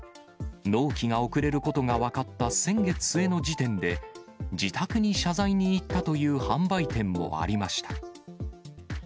納期が遅れることが分かった先月末の時点で、自宅に謝罪に行ったという販売店もありました。